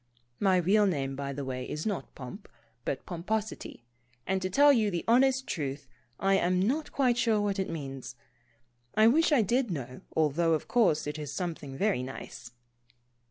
(My real name, by the way, is not Pomp, but Pomposity, and to tell you the honest truth, I am not quite sure what it means. I wish I did know, although of course, it is something very nice.)